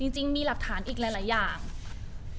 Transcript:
จริงมีหลักฐานอีกหลายอย่าง